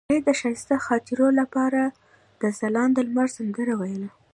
هغې د ښایسته خاطرو لپاره د ځلانده لمر سندره ویله.